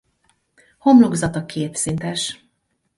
Homlokzata két szintes.